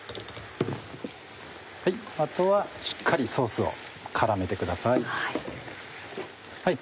あとはしっかりソースを絡めてください。